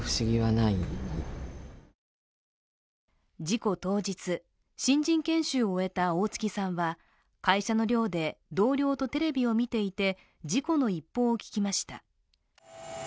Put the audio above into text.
事故当日、新人研修を終えた大槻さんは会社の寮で同僚とテレビを見ていて事故の一報を聞きました。